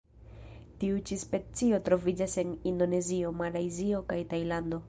Tiu ĉi specio troviĝas en Indonezio, Malajzio kaj Tajlando.